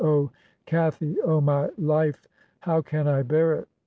...' Oh, Cathy I Oh, my lifel How can I bear it?'